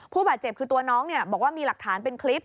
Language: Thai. ผู้บาดเจ็บคือตัวน้องบอกว่ามีหลักฐานเป็นคลิป